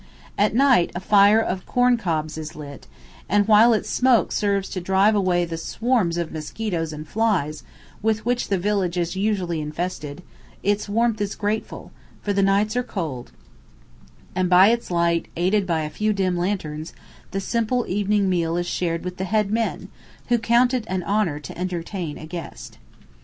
At night a fire of corn cobs is lit, and while its smoke serves to drive away the swarms of mosquitoes and flies with which the village is usually infested, its warmth is grateful, for the nights are cold, and by its light, aided by a few dim lanterns, the simple evening meal is shared with the head men, who count it an honour to entertain a guest.